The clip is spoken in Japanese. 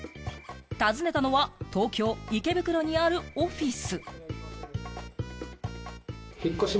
訪ねたのは東京・池袋にあるオフィス。